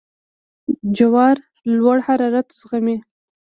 جوار لوړ حرارت زغمي.